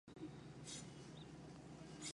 Proyecto impulsado y anhelado por varias generaciones.